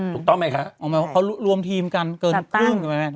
ถูกต้องไหมคะเขารวมทีมกันเกินครึ่ง